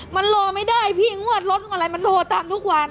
มันโหลไม่ได้พี่งวดตามรถกันกันไงมันโหตามทุกวัน